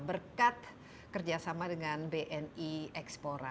berkat kerjasama dengan bni ekspora